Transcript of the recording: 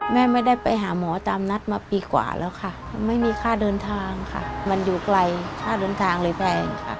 แม่ไม่ได้ไปหาหมอตามนัดมาปีกว่าแล้วค่ะไม่มีค่าเดินทางค่ะมันอยู่ไกลค่าเดินทางเลยไปค่ะ